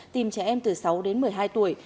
tìm trẻ em từ sáu đến một mươi hai tuổi